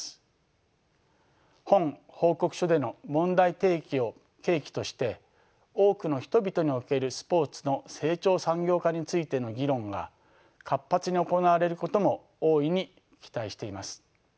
本報告書での問題提起を契機として多くの人々におけるスポーツの成長産業化についての議論が活発に行われることも大いに期待しています。